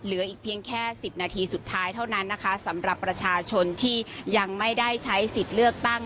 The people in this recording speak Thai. เหลืออีกเพียงแค่สิบนาทีสุดท้ายเท่านั้นนะคะสำหรับประชาชนที่ยังไม่ได้ใช้สิทธิ์เลือกตั้ง